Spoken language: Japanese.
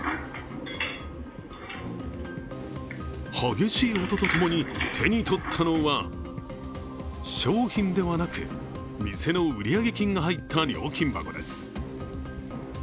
激しい音とともに、手にとったのは商品ではなく店の売上金が入った料金箱です。